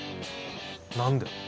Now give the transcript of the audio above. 何で？